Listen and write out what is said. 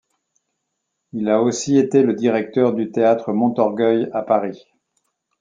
Il a aussi été le directeur du Théâtre Montorgueil à Paris.